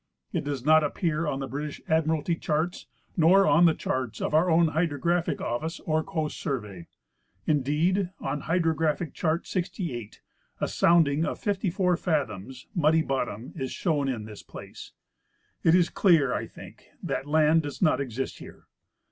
It does not appear on the British Admiralty charts, nor on the charts of our own Hy drographic Office or Coast Survey. Indeed, on h3^drographic chart 68, a sounding of 54 fathoms, muddy bottom, is shown in this place. It is clear, I think, that land does not exist here.